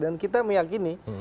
dan kita meyakini